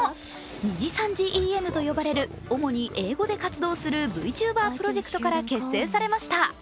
「ＮＩＪＩＳＡＮＪＩＥＮ」と呼ばれる主に英語で活動するＶｔｕｂｅｒプロジェクトから結成されました。